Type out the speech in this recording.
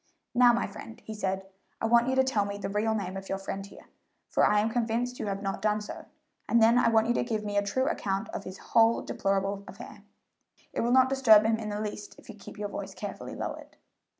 "Now, my friend," he said, "I want you to tell me the real name of your friend here, for I am convinced you have not done so, and then I want you to give me a true account of this whole deplorable affair. It will not disturb him in the least if you keep your voice carefully lowered."